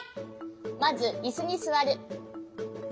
まずいすにすわる。